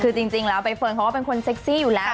คือจริงแล้วใบเฟิร์นเขาก็เป็นคนเซ็กซี่อยู่แล้ว